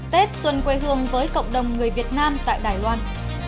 tết xuân quê hương với cộng đồng người việt nam tại đài loan